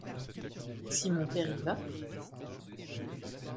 Si mon père y va?